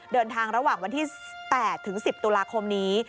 ระหว่างวันที่๘ถึง๑๐ตุลาคมนี้